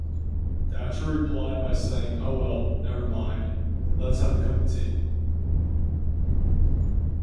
Thatcher replied by saying Oh well, never mind, let's have a cup of tea.